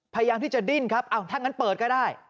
พยายามที่จะดิ้นครับอ้าวถ้างั้นเปิดก็ได้